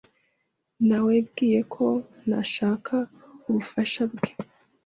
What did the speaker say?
Nawebwiye ko ntashaka ubufasha bwe.